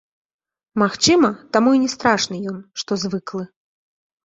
Магчыма, таму і не страшны ён, што звыклы.